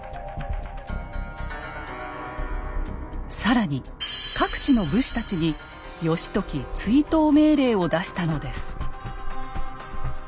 更に各地の武士たちに義時追討命令を出したのです。